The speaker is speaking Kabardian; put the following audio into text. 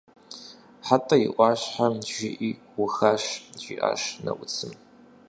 «Хьэтӏэ и ӏуащхьэм жыӏи, уухащ», – жиӏащ Нэӏуцым.